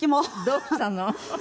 どうしたの？